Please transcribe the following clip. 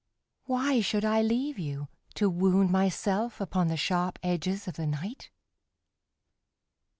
Why should I leave you, To wound myself upon the sharp edges of the night?